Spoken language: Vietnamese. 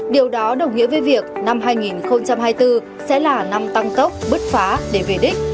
điều đó đồng nghĩa với việc năm hai nghìn hai mươi bốn sẽ là năm tăng tốc bứt phá để về đích